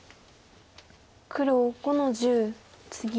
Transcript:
黒５の十ツギ。